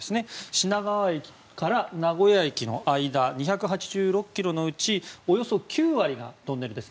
品川駅から名古屋駅の間２８６ｋｍのうちおよそ９割がトンネルです。